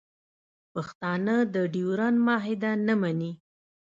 پښتانه د ډیورنډ معاهده نه مني